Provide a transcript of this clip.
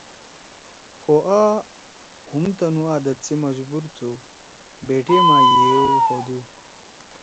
خو آ ہوم تُنو عادت سی مجبور تھو بے ٹیما یؤ ہودو